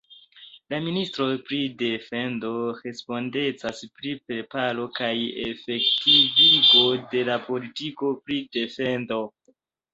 La ministro pri defendo respondecas pri preparo kaj efektivigo de la politiko pri defendo.